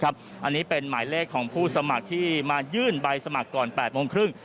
อันนี้เป็นหมายเลขของผู้สมัครที่มายื่นใบสมัครก่อน๘โมงครึ่ง